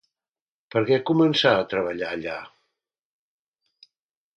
Per què començà a treballar allà?